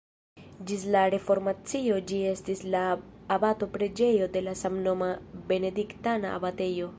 Ĝis la reformacio ĝi estis la abato-preĝejo de la samnoma benediktana abatejo.